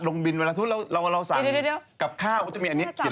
ลงบินเวลาถ้าพูดถ้าเราสั่นกลับข้าวจะมีอันนี้เขียนด้วย